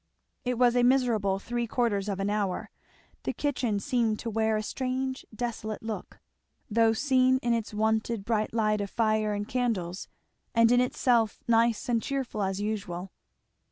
It was a miserable three quarters of an hour. The kitchen seemed to wear a strange desolate look, though seen in its wonted bright light of fire and candles, and in itself nice and cheerful as usual.